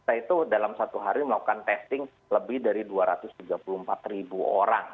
kita itu dalam satu hari melakukan testing lebih dari dua ratus tiga puluh empat ribu orang